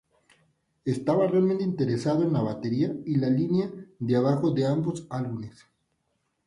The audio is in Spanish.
Estaba realmente interesado en la batería y la línea del bajo de ambos álbumes.